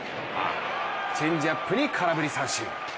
チェンジアップに空振り三振。